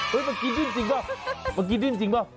เฮ้ยบางทีดิ้นจริงป่ะดิ้นจริงป่ะ